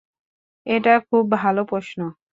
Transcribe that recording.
এটা খুব ভালো প্রশ্ন।